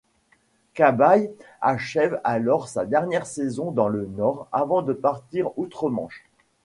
Cabaye achève alors sa dernière saison dans le Nord avant de partir outre-Manche.